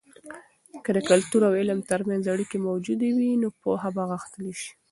که د کلتور او علم ترمنځ اړیکې موجودې وي، نو پوهه به غښتلې سي.